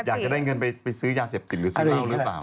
อยากจะได้เงินไปซื้อยาเสพติดหรือซื้อเหล้าหรือเปล่า